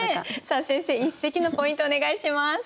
さあ先生一席のポイントをお願いします。